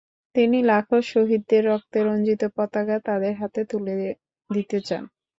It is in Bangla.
তিনি লাখো শহীদের রক্তে রঞ্জিত পতাকা তাদের হাতে তুলে দিতে চান।